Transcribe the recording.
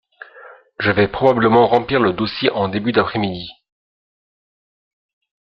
Je vais probablement remplir le dossier en début d'après-midi.